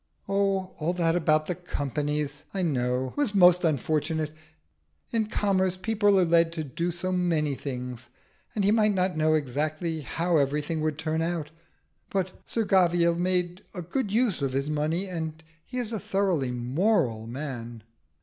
"Oh, all that about the Companies, I know, was most unfortunate. In commerce people are led to do so many things, and he might not know exactly how everything would turn out. But Sir Gavial made a good use of his money, and he is a thoroughly moral man."